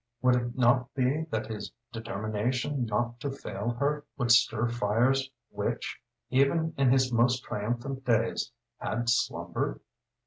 Would it not be that his determination not to fail her would stir fires which, even in his most triumphant days, had slumbered?